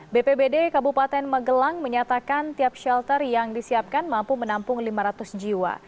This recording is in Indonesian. bpbd kabupaten magelang menyatakan tiap shelter yang disiapkan mampu menampung lima ratus jiwa